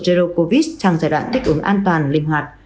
zero covid sang giai đoạn tích ứng an toàn linh hoạt